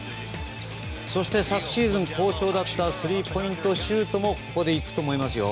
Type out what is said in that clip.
そして昨シーズン好調だったスリーポイントシュートもここでいくと思います。